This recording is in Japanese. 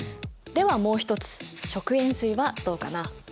ではもう一つ食塩水はどうかな？